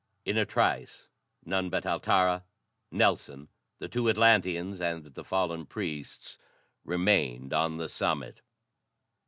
In a trice, none but Altara, Nelson, the two Atlanteans and the fallen priests remained on the summit.